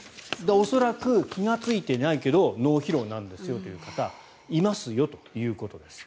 恐らく気がついていないけど脳疲労なんですよという方いますよということです。